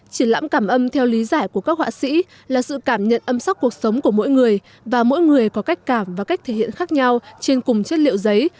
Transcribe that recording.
triển lãm cảm âm theo lý giải của các họa sĩ là sự cảm nhận âm sắc cuộc sống của mỗi người và mỗi người có cách cảm và cách thể hiện khác nhau trên cùng chất liệu giấy